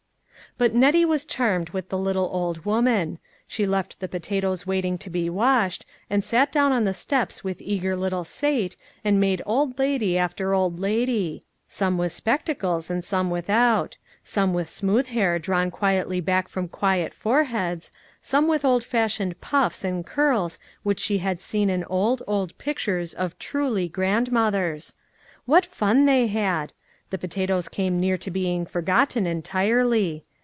But Nettie was charmed with the little old woman. She left the potatoes waiting to be washed, and sat down on the steps with eager little Sate, and made old lady after old lady. Some with spectacles, and some without. Some with smooth hair drawn quietly back from quiet foreheads, some with the old fashioned puffs and curls which she had seen in old, old pictures of " truly " grandmothers. What fun they had ! The potatoes came near being forgotten entirely.